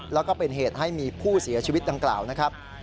แล้วก็เป็นเหตุให้มีผู้เสียชีวิตดังกล่าวนะครับ